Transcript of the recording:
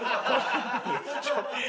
ちょっと。